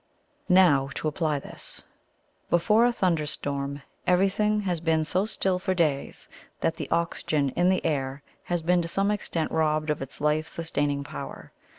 Now, to apply this: before a thunder storm, everything has been so still for days that the oxygen in the air has been to some extent robbed of its life sustaining power.